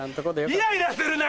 イライラするな！